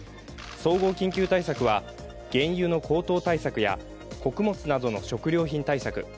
総合緊急対策は、原油の高騰対策や穀物などの食料品対策